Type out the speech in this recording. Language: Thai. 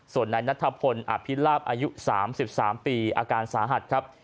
ส่วนนายนัทพลอภิลาบอายุ๓๓ปีอาการสาหัสครับ